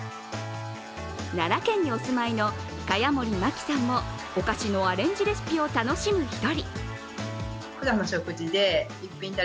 奈良県にお住まいの栢森真希さんもお菓子のアレンジレシピを楽しむ１人。